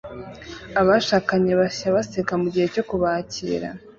Abashakanye bashya baseka mugihe cyo kubakira